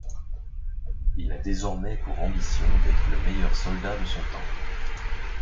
Il a désormais pour ambition d’être le meilleur soldat de son temps.